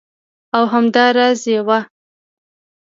او همدا راز یوه